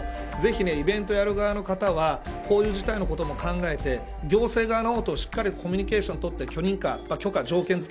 ぜひ、イベントをやる側の方はこういう事態のことも考えて行政側としっかりコミュニケーションをとって許可の条件